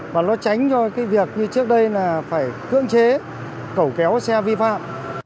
và nó tránh cho cái việc như trước đây là phải cưỡng chế cẩu kéo xe vi phạm